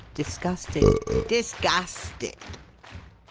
Disgusted, " disgasted."